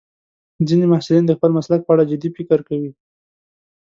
ځینې محصلین د خپل مسلک په اړه جدي فکر کوي.